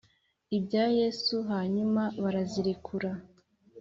ibya Yesu hanyuma barazirekura